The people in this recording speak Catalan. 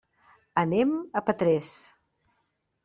Anem a Petrés.